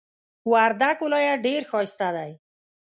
وردک ولایت ډیر ښایسته دی.